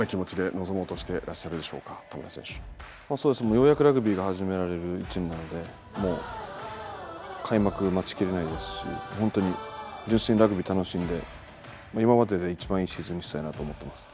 ようやくラグビーが始められる一年なので開幕待ち切れないですし本当に純粋にラグビー楽しんで今までで一番いいシーズンにしたいなと思ってますね。